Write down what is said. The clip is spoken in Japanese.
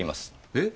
えっ？